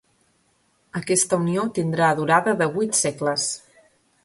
Aquesta unió tindrà una durada de vuit segles.